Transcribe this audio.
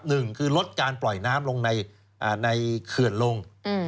หนึ่งคือลดการปล่อยน้ำลงในเขื่อนลง